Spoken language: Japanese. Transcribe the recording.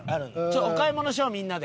お買い物しようみんなで。